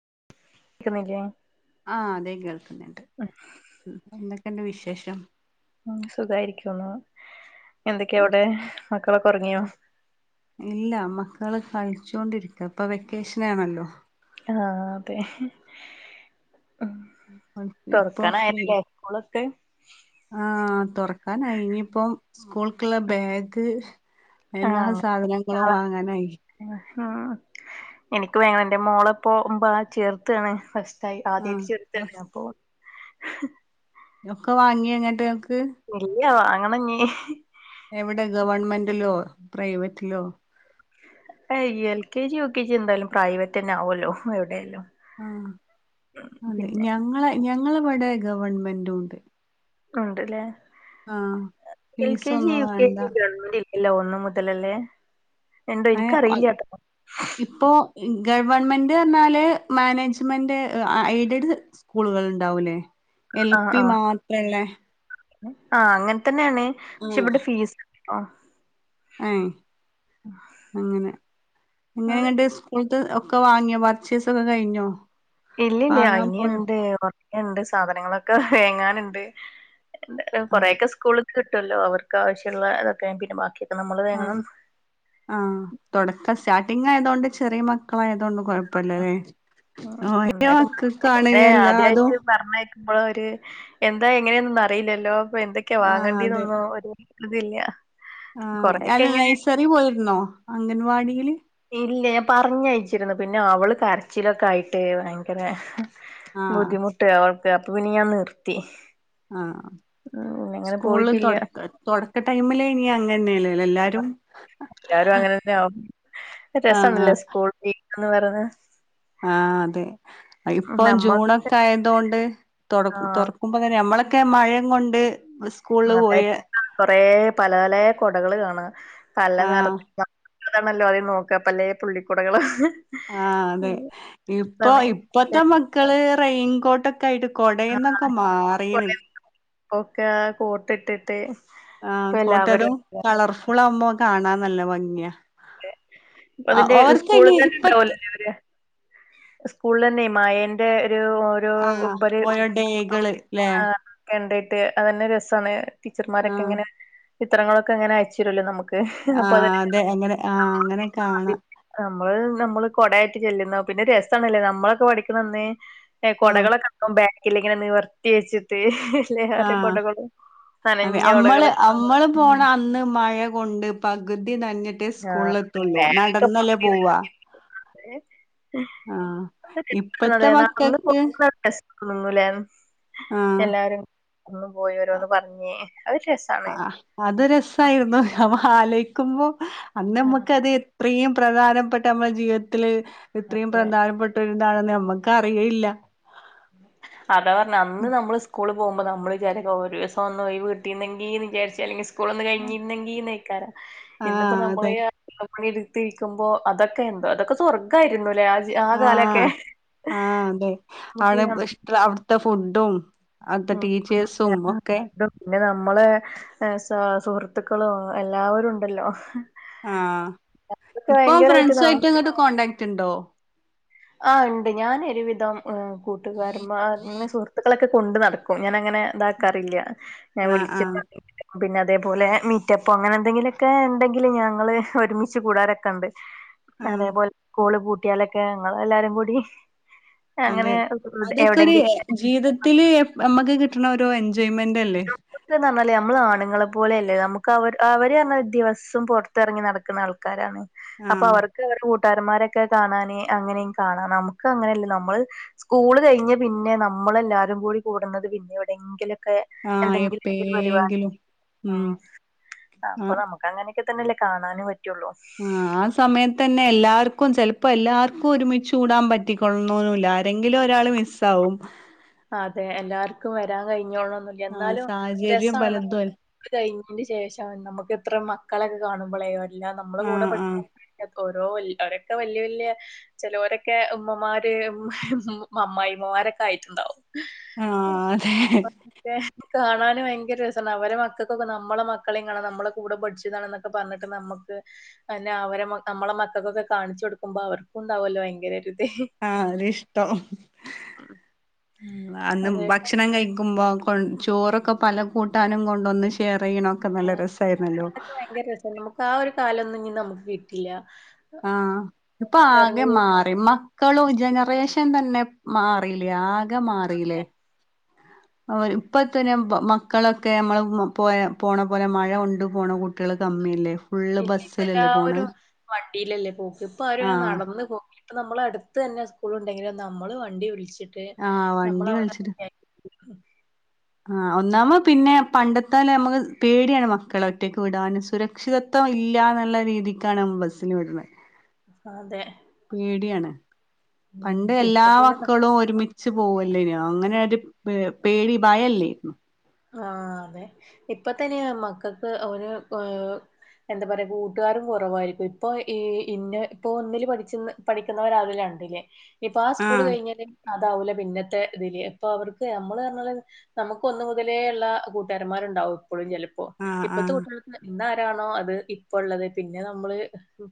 [unintelligible] ആ അതെ കേൾക്കുന്നുണ്ട് [unintelligible] എന്താ വിശേഷം മ് സുഖായിരിക്കുണു എന്തൊക്കെയാ അവിടെ മക്കളൊക്കെ ഉറങ്ങിയോ ച്ചൊണ്ടിരിക്ക ഇപ്പൊ വെക്കേഷനാണല്ലോ. ആ അതെ മ് ഇപ്പൊ ഫ്രീ തൊറക്കനായതല്ലേ സ്കൂളൊക്കെ ആഹ് തുറക്കാനായി ഇനിയിപ്പം സ്കൂൾക്കുള്ള ബാഗ് എല്ലാ ആഹ് സാധനങ്ങളും വാങ്ങാനായി മ് എനിക്ക് വേ എന്റെ മോളെ പോവുമ്പോ ചേർത്തണ് ഫസ്റ്റ് [unintelligible] ആഹ് ആദ്യമായിട്ട് [unintelligible] അപ്പൊ [inaudible] ഒക്കെ വാങ്ങി എങ്ങട്ട് ത് ഇല്ല വാങ്ങണഞ്ഞി എവിടെ ഗവൺമെന്റിലോ പ്രൈവറ്റിലോ ഏയ് ൽകെജി യുകെജി എന്തായാലും പ്രൈവറ്റ് തന്നെ ആവൊല്ലോ ആ അതെ ഞങ്ങളെ ഞ ഞങ്ങളവിടെ ഗവൺമെന്റുണ്ട് ആ ഒണ്ട്‌ലെ എൽ കെ ജി ഫീസൊന്നും യു കെ വേണ്ട ജി ക്കാണെങ്കിൽ ഇല്ല ഒന്നു മുതലല്ലേ എണ്ടോ എനിക്കറിയില്ലട്ടോ ഗവൺമെന്റ്ന്ന് റഞ്ഞാല് മാനേജ്മെന്റ് എയ്ഡഡ് സ്കൂളുകളുണ്ടാവൂല്ലേ എൽ പി മാത്രള്ള ആ അങ്ങനെ തന്നെയാണ് ശ വിടെ ഫീസ് ആ യെ അങ്ങനെ അതെ എങ്ങനെയണ്ട് സ്കൂളിത്തെ ക്കൊ വാങ്ങിയോ പർച്ചേസൊക്കെ കഴിഞ്ഞോ ഇല്ലില്ല വാങ്ങാൻ പോയോ ഇനിയിണ്ട് കൊ ഇണ്ട് സാധനങ്ങളൊക്കെ വേങ്ങാനുണ്ട് അതെ കുറെയൊക്കെ സ്കൂൾ കിട്ടല്ലോ അവർക്ക് ആവശ്യുള്ള ഇതൊക്കെ പിന്നെ ബാക്കി ആ ആ തുടക്ക സ്റ്റാർട്ടിങ് ആയതുകണ്ട് ചെറിയ മക്കളായതുകൊണ്ട് കൊഴപ്പല്ലല്ലേ ഉം വലിയ എന്തായാലും മക്കക് കാണുയെല്ലാതും നമ്മള ഒരു എന്താ എങ്ങനെയൊന്നുന്നും അറിയില്ലല്ലോ അപ്പൊ എന്തൊക്കെയാ ആ അതെ വാങ്ങേണ്ടിന്നൊന്നും ഒരു അതില്ല്യ ആ ഞാൻ നൈസറി പോയിരുന്നോ അംഗൻവാടിയില് ഇല്ല ഞാൻ പറഞ്ഞയച്ചിരുന്നു പിന്നെ അവള് കരച്ചിലൊക്കെ ആയിട്ട് ഭയങ്കര ആ ബുദ്ധിമുട്ടേ അവൾ അപ്പം പിന്നെ ഞാൻ നിർത്തി ആ ഉം അങ്ങനെ സ്കൂള് പോയിട്ടില്ല തുടക്ക തുടക്ക ടൈമില് ഇനി അങ്ങന്നെല്ലേ എല്ലാരും ആഹ് ആഹ് രസംമില്ല സ്കൂൾ എന്നാ വരുന്നേ ആ അതെ ഇപ്പൊ നമ്മ ജൂണൊക്കെ ആയതൊണ്ട് ആ തുറക്കുമ്പോങ്ങനെ നമ്മള് ഒക്കെ മഴ കൊണ്ട് സ്കൂളില് പോയ അതായത് കൊറെ പല പലെ കൊ കടകള് കാണാ പല ആഹ് നിറത്തി അതാണല്ലോ അതേ നോക്കുക പലേ പുള്ളിക്കുടകള് ആ അതെ ഇപ്പൊ അതാണ് ഇപ്പത്തെ മക്കള് റെയിൻകോട്ട് ക്കായിട്ട് കൊടന്നൊക്കെ മാറീന്നെ ഒക്കെയ കോട്ട് ഇട്ടിട്ട് ആ ഇപ്പൊ എല്ലാവരും കോട്ടതും കളർഫുൾ ആകുമ്പോ കാണാം നല്ല ഭംഗിയ അതിന്റെ ഉസ്കൂളിന്ന്ന്നെ ഇപ്പത്തെ ഇണ്ടാവലല്ലേ അവര് സ്കൂളിൽന്നെ മഴന്റെ ഓരോ ആഹ് ഓരോ [unintelligible] ഡേകള് ല്ലേ അതേ അത് ന്നെ രസാണ് ടീച്ചർമാരൊക്കെ ആഹ് എങ്ങനെ ഇത്രനാളൊക്കങ്ങനെ അയച്ചരുല്ലോ നമുക്ക് ആഹ അതെ അങ്ങനെ ആ അങ്ങനെ കാണാം നമ്മള് നമ്മള് കൊടയായിട്ട് ചെല്ലുന്ന പിന്നെ രസം രസാണല്ലേ നമ്മളൊക്കെ പഠിക്കുന്നന്നേ ആഹ് കൊടകളൊക്ക ഇല്ല ഇങ്ങനെ നിവർത്തി വെച്ചിട്ട് എല്ലാരെ ആഹ കൊടകളും അതെ നനഞ്ഞ നമ്മള് കൊടകളൊക്കെ നമ്മള് പോണ ഉം അന്ന് മഴ കൊണ്ട് പകുതി നനഞ്ഞിട്ട് ആഹ് സ്കൂളിൽ എത്തുള്ളൂ നടന്നല്ലേ പോവ ഏ ഇപ്പത്തെ നടന്ന് പോ മക്കൾക്ക് അതൊന്നുമില്ല ആഹ് എല്ലാവരും ഒന്നു പോയി ഓരോന്ന് പറഞ്ഞ് അത് രസാണ് ആഹ് അത് രസായിരുന്നു അവ ആലോയിക്കുമ്പോ അന്ന് ആഹ് നമ്മുക്ക് അത് എത്രയും പ്രധാനപ്പെട്ട നമ്മളുടെ ജീവിതത്തിൽ ഇത്രയും അതെ പ്രധാനപ്പെട്ട ഒരു എന്താണെന്ന് നമ്മക്ക് അറിയില്ല [inaudible] അതാ പറഞ്ഞ അന്ന് നമ്മള് സ്കൂ സ്കൂൾ പോകുമ്പോൾ നമ്മൾ വിചാരിക്കും ഒരു ദിവസം ഒന്ന് ഒഴിവ് കിട്ടീരന്നെങ്കിൽ വിചാരിച്ചല്ലെങ്കിൽ സ്കൂൾ ഒന്ന് കഴിഞ്ഞിരിന്നെങ്കിൽ ക്ട ആഹ അതെ പണിയെടുത്തിരിക്കുമ്പോ അതൊക്കെ എന്തോ അതൊക്കെ സ്വർഗായിയിരുന്നു ല്ലെ ആ കാലോക്കെ ആവിടെ ഇഷ്ട അവിടുത്തെ ഫുഡും അവിടത്തെ ഉം. ടീച്ചേഴ്സും ഒക്കെ ഇതും പിന്നെ നമ്മളെ സ സുഹൃത്തുക്കളോ എല്ലാവരും ഉണ്ടല്ലോ ആഹ് അതൊക്കെ ഇപ്പം ഭയങ്കരായിട്ട് ഫ്രണ്ട്സു നാം ആയിട്ട് ഇങ്ങോട്ട് കോൺടാക്ട് ഉണ്ടോ? ആഹ് ഉണ്ട് ഞാനൊരുവിധം ഓ കൂട്ടുകാരന്മാ അങ്ങനെ സുഹൃത്തുക്കളൊക്കെ കൊണ്ട് നടക്കും ഞാനങ്ങനെ ഇതാക്കാറില്ല. ഞാൻ ആഹ് വിളിച്ചിട്ട് ആഹ് [inaudible] പിന്നെ അതേപോലെ മീറ്റപ്പോ അങ്ങനെ എന്തെങ്കിലൊക്കെ ഇണ്ടെങ്കിൽ ഞങ്ങൾ ഒരുമിച്ച് കൂടാറോക്കെ ഇണ്ട്. ആഹ് അതേപോലെ സ്കൂൾ പൂട്ടി ട്ടാലൊക്കെ നങ്ങളെല്ലാരും കൂടി അതെ അങ്ങനെ അതൊക്കൊര് എവിടെയെങ്കിലും ജീവിതത്തിൽ നമ്മക്ക് കി ട്ട്ണോരു എൻജോയ്മെന്റ് അല്ലേ? [unintelligible] പറഞ്ഞാൽ നമ്മൾ ആണുങ്ങളെ പോലെയല്ലെ നമ്മക്ക് അവര് അവര് പറഞ്ഞാ ദിവസ്സം പൊറ്ത്തറങ്ങി നടക്ക്‌ണ ആൾക്കാരാണ് അപ്പം ആഹ് അവർക്ക് അങ്ങനെ ഒ ട്ടാരമ്മാരൊക്കെ കാണാൻ അങ്ങനെമ് കാണാ നമ്മ്ക്ക് അങ്ങനെയല്ല നമ്മളൾ സ്കൂൾ കഴിഞ്ഞെ പിന്നെ നമ്മളെല്ലാരും കൂടി കൂട്ന്നത് പിന്നെ എവിടെയെങ്കിലൊകെ ആഹ് എന്തെങ്കിലൊക്കെ ഒരു പരിപാടി എപ്പേങ്കിലും ഉം ആ അപ്പ നമ്മുക്ക് അങ്ങനെ ക്കെതെന്നെല്ലെ കാണാനും പറ്റ ആ ആ സമയത്തെന്നെ എല്ലാരും ക്കും ചെലപ്പോ എല്ലാർക്കും ഒരുമിച്ച് കൂടാൻ പറ്റിക്കൊളണുന്നുല്ല ആരെങ്കിലും ഒരാൾ മിസ്സാകും അതെ എല്ലാർക്കും വരാൻ കഴിഞ്ഞോള ആഹ് എന്നാലും സാഹചര്യം രസാണ് നമ്മ പലതും അൽ [inaudible] കഴിഞ്ഞിന്റെ ശേഷം ആണ് നമ്മക്ക് എത്ര മാ കളൊക്കെ കാണുമ്പളെ ഇല്ല നമ്മളെ കൂടെ ആഹ് ആഹ് പഠിച്ച [inaudible] ഓരോ വല്ല്യ ഒരൊക്കെ വല്ല്യ വല്ല്യ ചിലൊരൊക്കെ ഉമ്മമാര് അമ്മായിമ്മമാരൊക്കെ ആയിട്ട്ണ്ടാവും ആഹ് അതെ കാണാന് ഭയങ്കര രസണ്ടാവും അവരെ മക്കൾക്കൊക്കെ നമ്മളെ മക്കളീം കാണാം നമ്മളെ കൂടെ പഠിച്ചതാണെന്നൊക്കെ പറഞ്ഞിട്ട് നമ്മക്ക് തന്നെ അവരെ നമ്മളെ മക്കൾക്കൊക്കെ കാണിച്ച് കൊട്ക്കുമ്പോ അവർക്കും ഉണ്ടാവോല്ലോ ഭയങ്കര ഒരു ആ ഒരിഷ്ടം ഉം അന്ന് അതെ ഭക്ഷണം കഴിക്കുമ്പോ കൊണ് ചോറൊക്കെ പല കൂട്ടാനും കൊണ്ടൊന്ന് യെറിയിണൊക്കെ നല്ല രസായിരുന്നല്ലോ അതൊക്കെ ഭയങ്കര രസാണ് നമുക്ക് ആ ഒരു കാലൊന്നും ഇഞ് നമ്മക്ക് കിട്ടില്ല ആ ഇപ്പൊ എല്ലാരും ആകെ കൂടി മാറി മക്കളും ജനറേഷൻ തന്നെ മാറിലെ ആകെ മാറിലെ [unintelligible] ഇപ്പത്തെന്നെ മക്കളൊക്കെ നമ്മൾ പോയ പോണ പോലെ മഴ കൊണ്ട് പോണ കുട്ടികള് കമ്മിയല്ലെ ഇല്ല ഇപ്പം എല്ലാവരും വണ്ടിയിലല്ലേ പോക്ക് ഇപ്പ ആരും അങ്ങനെ ആഹ് നടന്ന് പോക്കി ഇപ്പം നമ്മളെ അടുത്ത് തന്നെ സ്കൂൾ ഇണ്ടെങ്കിലും നമ്മള് വണ്ടി വിളിച്ച് ആ വണ്ടി കളിച്ചിട്ട് ആ ഒന്നാമെ പിന്നെ പണ്ടത്തെലെ നമ്മക്ക് പേടിയാണ് മക്കളെ ഒറ്റക്ക് വിടാനും സുരക്ഷിതത്വം ഇല്ലാന്നുള്ള രീതിക്കാണ് ബസ്സിന് വിട്ണേ അതെ പേടിയാണ് പണ്ട് ഉം എല്ലാ ഇപ്പൊ പിന്നെ വക്കളും ഒരുമി ച്ച് പോവുല്ലേന്യാ അങ്ങനെര് പേ പേടി ഭയെല്ലെരുന്ന് ആഹ് അതെ ഇപ്പതന്നെ മക്കക്ക് ഓര് ഏഹ് എന്താ പറയാ കൂട്ട്കാരും കൊറവായിരിക്കും ഇപ്പൊ ഈ ഇന്ന ഇപ്പൊ ഒന്നില് പഠിച്ച്ന്ന് പഠിക്ക്ന്നവരാവില്ല രണ്ടില് ഇപ്പ ആ സ്കൂള് ആഹ് കഴിഞ്ഞാല് അ ദാവൂലെ പിന്നത്തെ ഇദില് ഇപ്പൊ അവർക്ക് യമ്മള് പറഞ്ഞോലെ നമുക്ക് ഒന്ന്മു മുതലേയുള്ള കൂട്ടാരന്മാരുണ്ടാവും ഇപ്പോഴും ചെലപ്പോ ആഹ് ഇപ്പത്ത ആഹ് കുട്ടികൾക്ക് ഇന്നാ [unintelligible] അത് ഇപ്പൊള്ളത് പിന്നെ നമ്മള്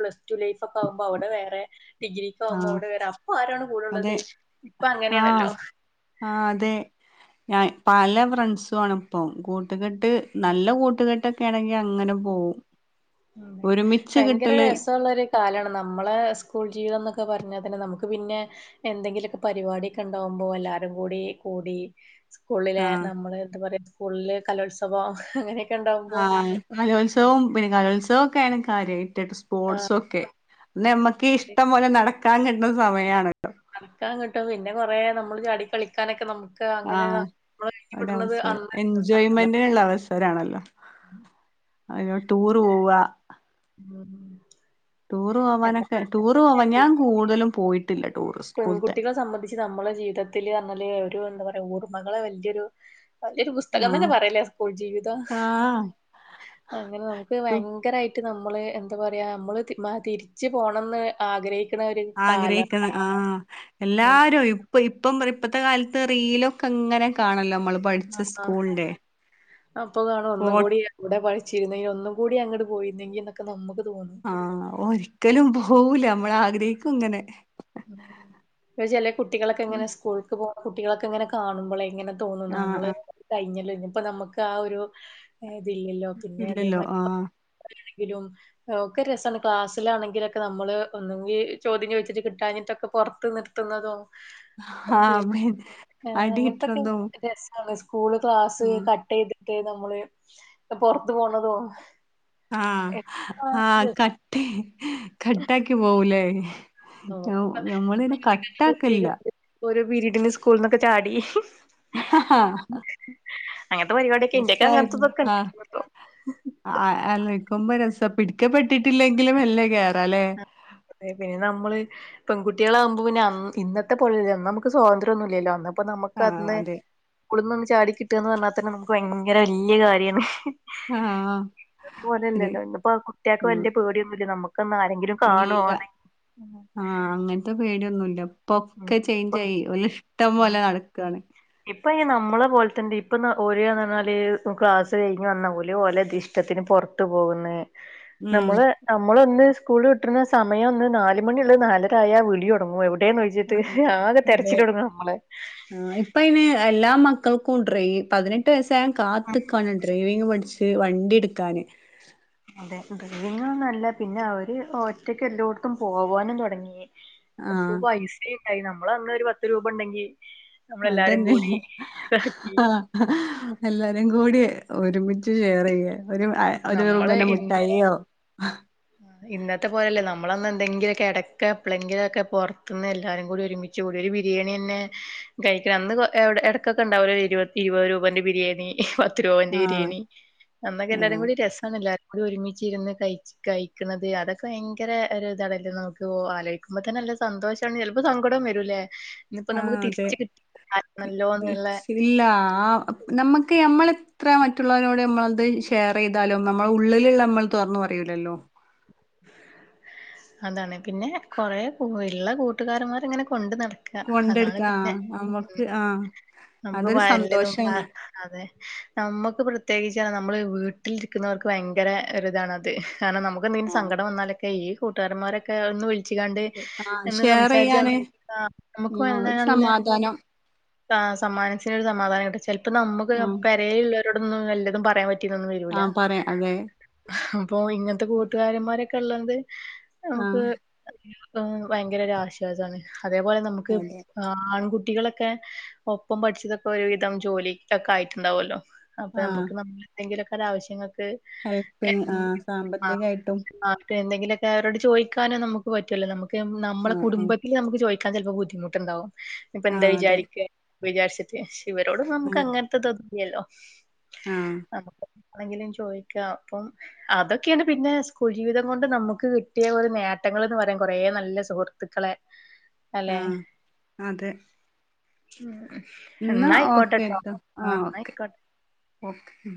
പ്ലസ്ടു ലൈഫക്കാവുമ്പോ അവ്ട വേറെ ഡിഗ്രിക്കോമ്പോ ആഹ് അവിട വേറെ അപ്പൊ ആരാണ് കൂടൊള്ളത് അതെ ഇപ്പ ആഹ് അങ്ങനെണല്ലോ ആഹ് അതെ ഞാൻ പല ഫ്രണ്ട്സു ആണിപ്പൊം കൂ ട്ട്കെട്ട് നല്ല കൂട്ടുകെട്ടെ ക്കെണെങ്കി അങ്ങന പോവും ഒരുമിച്ച് ഭയങ്കര കിട്ടല് രസോള്ളൊരു കാലാണ് നമ്മള് സ്കൂൾ ജീവിതംന്ന ക്ക പറഞ്ഞാതന്ന നമുക്ക് പിന്നെ എന്തെങ്കില്ക്ക പരിപാടിക്ക ഇണ്ടാവുമ്പോ എല്ലാരുംകൂടി കൂടി സ്കൂളിലെ ആ നമ്മള് എന്താ പറയാ സ്കൂളില് കലോത്സവോം അങ്ങനെയെ ആഹ് കലോത്സവോം പിന്നെ കാലോത്സ തോക്കെണ് കാര്യായ് [unintelligible] ആ സ്പോട്സൊക്കെ ന്നെ മ്മക്ക് ഷ്ടം പോലെ നട ക്കാൻ കിട്ട്ണ സമയാണ് നടക്കാൻ കി പിന്നെ കൊറേ നമ്മള് ചാടി കളിക്കാനക്ക നമ്മ് ആഹ് ഒരവസരം അന്ന് രസാണല്ലോ എൻജോയ്മെന്റിന്ള്ള അവസരാണല്ലോ അയ്യോ ടൂറ് പോവാ ഉം ടൂറ് എന്താ പോവാനക്കെ ടൂറ് പോവാൻ ഞാൻ കൂട്തലും പോയിട്ടില്ല ടൂ പെങ്കുട്ടികള സംബന്ധിച്ച് നമ്മള ജീവിതത്തില് പറഞ്ഞാല് ഒരു എന്താ പറയാ ഓർമകള് വല്ല്യയൊരു വല്ല്യയൊരു പുസ്തകന്നന്നെ ആഹ് പറയാല്ലേ ആ സ്കൂൾ ജീവിതം ആഹ് അങ്ങനെ നമുക്ക് ഭയങ്കരായിട്ട് നമ്മള് എന്താ പറയാ അമ്മള് തി മാ തിരിച്ച് പോണംന്ന് ആഗ്രഹി ക്കണൊരു കാലം ആഗ്രഹിക്കുന്ന ആഹ് നം എല്ലാരും ഇപ്പൊ ഇ ഇപ്പം ഇപ്പത്തെ കാലത്ത് റീലൊക്കെ ഇങ്ങനെ കാണല്ലോ [unintelligible] പഠിച്ച ആഹ് സ്കൂളിന്റെ അപ്പൊ കാണാം ഫോ ഒന്നും കൂടി [unintelligible] വച്ചിരുന്നെ ഒന്നു കൂടി അങ്ങട് പോയിരുന്നെങ്കി എന്ന് നമുക്ക് തോന്നും. ആഹ് ഒരിക്കലും പോവൂല നമ്മളാഗ്രഹിക്കും ഇങ്ങനെ ചില കുട്ടികളൊക്കെ ഇങ്ങനെ സ്കൂൾക്ക് പോ കുട്ടികളൊക്കെ ഇങ്ങനെ കാണുമ്പോളെ ഇങ്ങനെ തോന്നും ആഹ് നമ്മള് ആഹ് കഴിഞ്ഞ ഇപ്പ നമുക്ക് ആ ഒരു ഇിതില്ലല്ലോ പിന്നെ ഇല്ലല്ലോ അതേമാരി [unintelligible] ആഹ് [unintelligible] ഒക്കെ രസാണ് ക്ലാസ്സിലാണെങ്കിലൊക്കെ നമ്മള് ഒന്നെങ്കി ചോദ്യം ചോയിച്ചിട്ട് [unintelligible] ഞ്ഞിട്ടൊക്കെ പുറത്ത് നിർത്തുന്നതോ ആ [unintelligible] അടി കിട്ടണതും സ്കൂൾ ക്ലാസ് കട്ട് ചെയ്ത് നമ്മള് പൊറത്ത് പോണതോം ആഹ് ആഹ് കട്ട കട്ടാക്കി പോവുലെ ഓ, ഇപ്പൊ നമ്മള ഇങ്ങനെ മ്യൂസിക്കൊക്കെ നിർത്തി കട്ടാക്കല്ല കണ്ട് ഓരോ പീരീഡിനിന് സ്കൂളന്നൊക്കെ ചാടി ഹ ഹ ഹാ അങ്ങനത്തെ പരിപാടിയൊക്കെ ഇണ്ട് ഇന്റെയൊക്കെ അങ്ങനത്തതൊക്കെ ഉണ്ടായിന്നുട്ടോ ഓർക്കുമ്പോ രസാ പിടിക്കപ്പെട്ടിട്ടില്ലെങ്കിലും അല്ലേ കേറാലേ തെ പിന്നെ നമ്മള് പെൺകുട്ടികളാകുമ്പോ പിന്നെഅന്ന് ഇന്നത്തപോലെല്ലോ അന്ന് നമുക്ക് സ്വാതന്ത്ര്യംഒന്നുല്ലല്ലോ അന്ന് അപ്പൊ നമുക്ക് അത് ആഹ് ന്ന് അതെ സ്കൂളുനൊന്ന് ചാടികിട്ടാന്ന് പറഞ്ഞ തന്നെ നമുക്ക്‌ഭയങ്കര വല്ല്യകാര്യാണ്. ആഹ് പിന്നെ ഇന്നതുപോലല്ലല്ലോ ഇന്നിപ്പോ കുട്ടേക്ക് ഉം വല്ല്യപേടിഒന്നും ഇല്ല നമ്മക്ക് ക്കന്നാരെങ്കിലും കാണ് ഇല്ല ആഹ് അങ്ങൻത്തെ പേടിയൊന്നുല്ല ഉം ഇപ്പൊക്കെ ഇപ്പൊ ചെയ്ഞ്ചായി ഒലിഷ്ടം പോലെ നടക്കാണ് ഇപ്പയ്ന് നമ്മളപോലതന്റെ ഇപ്പ ഓര് നർന്നാല് ഇപ്പ ക്ലാസ്സ്കഴിഞ്ഞ് വന്ന ഓല് ഓല തിഷ്ടത്തിന് പൊറ്ത്ത് പോക്ന്ന് ഉം നമ്മള് നം നമ്മളൊന്ന് സ്കൂള് വിട്ട് രുന്ന സമയം ഒന്ന് നാല് മണി ള്ളത് നാലരയായ വിളി തൊടങ്ങും എവി ടെന്ന് ചോദിച്ചിട്ട് ആഹ് ആകെ അതെ തെരച്ചിലുതൊടങ്ങും നമ്മള് ആഹ് ഇപ്പ അയിന് എല്ലാ മക്കൾക്കും [unintelligible] ഈ പതിനെട്ട് വയസ ക്കാൻ ഉം കാത്ത്ക്കാണ് ഡ്രൈവിംഗ് പഠിച്ച് ട്ട് വണ്ടി എടുക്കാന് അതെ ഡ്രൈവിങ്ങൂന്നല്ല പിന്നെ അവര് ഒറ്റക്ക് എല്ലോടുത്തും പോവാനുംതൊടങ്ങി ആഹ് അപ്പൊ പൈസയോ കയ് നമ്മള് നമ്മളെ ഒരു പത്ത് രൂപണ്ടെങ്കി അതന്നെ ഇതാക്കി ആ എല്ലാരും കൂടി ഒരുമിച്ച് ഷെയറ് ചെയ്യാൻ ഒരു [unintelligible] മുട്ടായിയോ ഹാ ആ ഇന്നത്തെ പോലെല്ലേ നമ്മളന്ന് എന്തെങ്കിലൊക്കെ എടക്ക് എപ്പളെങ്കിലൊക്കെ പൊറത്ത്ന്ന് എല്ലാരും കൂടി ഒരുമിച്ച്ക്കൂടിയൊര് ബിരിയാണിയന്നെ കഴിക്കണം അന്ന് കൊ എവിടെ എടക്കൊക്കെ ഉണ്ടാവൂലോ ഒര് ഇരുപ ഇരുപത് രൂപന്റെ ബിരിയാണി പ ത്തുരൂപന്റെ ആഹ് ബിരിയാണി അന്നൊക്കെ എല്ലാരും ആഹ് കൂടി രസാണെല്ലാ അതും ഒരുമിച്ചിരുന്ന് കഴിച്ച് കഴിക്ക്ണത് അതൊക്കെ ഭയങ്കര ഒരു ഇതാണല്ലേ നമുക്ക് വൊ ആലോയിക്കുമ്പോ തന്നെ നല്ല സന്തോഷാണ് ചെലപ്പോ സങ്കടും വരുംല്ലേ ആ അതെ നല്ലോ എന്നുള്ള [unintelligible] നമ്മക്ക് അമ്മള് എത്ര മറ്റുള്ളവരോട് നമ്മളത് ഷേറയ്താലും നമ്മളെ ഉള്ളില്ള്ളെ നമ്മൾ തൊറന്നു പറയൂലല്ലോ അതാണ് പിന്നെ കൊറേ പു ഇള്ള കൂട്ടുകാരന്മാര്ങ്ങനെ കൊണ്ട് നട കൊണ്ടട്ക്കാ ആ നമ്മക്ക് ആ നമ്മക്ക്പ്പൊ പലതും പ അതെ നമ്മക്ക് പ്രത്യേകിച്ച് [unintelligible] നമ്മള് വീട്ടിലിരിക്ക്ന്നവർക്ക് ഭയങ്കര ഒരു ഇതാണ് അത് കാരണം നമുക്കെന്തേ ആഹ് സങ്കടം വന്നാലൊക്കെ ഈ കൂട്ടുകാരന്മാരൊക്കെ ഒന്ന് വിളി ച്ച്കാണ്ട് ആഹ് എന്ന് ഷെയർ സംസാരിച്ച് സം ചെയ്യാന് ആ നമ്മക്ക് ആഹ് ഒരു വര്ന്നേനല്ലെ സമാധാനം ആ സമ്മാനം മനസ്സിനൊര് സമാധാനം കിട്ടും ചെല് ന്നിട്ട് നമ്മക്ക് ആഹ് [unintelligible] പെരേയില്ലൊ [unintelligible] ഒന്നും വല്ലതും പറയാൻ പറ്റ ഇതൊന്നും വരൂല ആഹ് പറയാം അതെ ഉം ഇപ്പോൾ ഇങ്ങനത്തെ കൂട്ടുകാരന്മാരൊക്കെ [unintelligible] നമുക്ക് ആഹ് പ്പം ഭയങ്കര ഒരു ആശ്വാസാണ് അതേപോലെ നമുക്ക് അതെ ആൺകു കുട്ടികളൊക്കെ ഒപ്പം പഠിച്ചതൊക്കെ ഒരുവിധം ജോലിക്കെ ആയിട്ടുണ്ടാവുവല്ലോ അപ്പൊ ആഹ് നമ്മുക്ക് നമ്മൾ എന്തെങ്കില ഒരോ ആവശ്യങ്ങക്ക് [unintelligible] ഹെൽപ്പിന് ആഹ് സാമ്പത്തികായിട്ടും ഇതക്കെ അവരോട് ചോയിക്കാനേ നമുക്ക് പറ്റുവല്ലോ നമ്മ നമ്മളെ ആഹ് ആഹ് കുടുംബത്തിൽ നമുക്ക് ചോയി അതെൽപ്പോ ബുദ്ധിമുണ്ടാവും ഇപ്പെന്താ ആഹ് അതെ വിചാരിക്ക വിചാരിച്ചെത്യ ഇവരോട് നമ്ക്ക് അങ്ങനത്തെത് യല്ലോ ങാ ആണെങ്കിലും ചോയിക്കാം അപ്പം അതൊക്കെയാണ് പിന്നെ സ്കൂൾ ജീവിതം കൊണ്ട് നമുക്ക് കിട്ടിയ ഒരു നേട്ടങ്ങള്ന്ന് പറയാൻ കൊറേ നല്ല സുഹൃത്തുക്കളെ ങാ അതെ മ് എന്നാ ഓക്കെട്ടോ ആ ആഹ് ഓക്കെ ആയിക്കോട്ടെ ഓക്കെ